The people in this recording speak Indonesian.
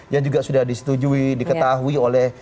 yang juga sudah disetujui diketahui oleh